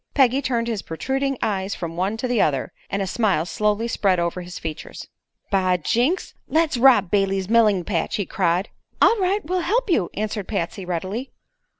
Peggy turned his protruding eyes from one to the other, and a smile slowly spread over his features. "By jinks, let's rob Brayley's melling patch!" he cried. "All right; we'll help you," answered Patsy, readily.